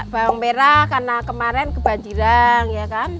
bawang merah karena kemarin kebanjiran ya kan